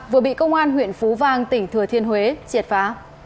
vừa bị công an huyện phú vang tỉnh thừa thiên huế triệt phá